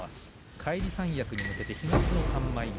返り三役に向けて東の３枚目。